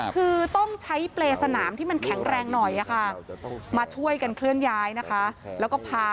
คือต้องใช้เปรย์สนามที่มันแข็งแรงหน่อยค่ะมาช่วยกันเคลื่อนย้ายนะคะ